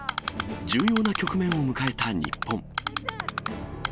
重要な局面を迎えた日本。